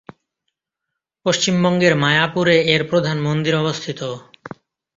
পশ্চিমবঙ্গের মায়াপুরে এর প্রধান মন্দির অবস্থিত।